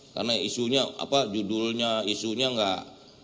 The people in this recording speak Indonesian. karena isunya apa judulnya isunya gak